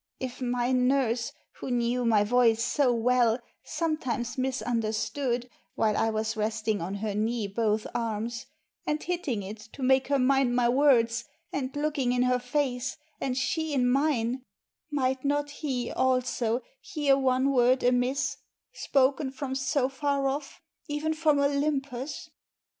If my nurse, who knew My voice so well, sometimes misunderstood, While I was resting on her knee both arms, And hitting it to make her mind my words, And looking in her face, and she in mine, Might not he, also, hear one word amiss, Spoken from so far off, even from Olympus?"